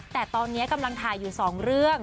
แต่ตอนนี้กำลังถ่ายอยู่๒เรื่อง